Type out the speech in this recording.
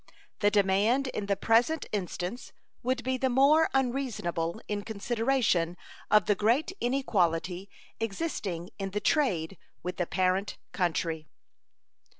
The demand in the present instance would be the more unreasonable in consideration of the great inequality existing in the trade with the parent country.